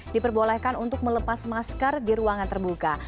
diperbolehkan untuk melepas masker di ruangan terbuka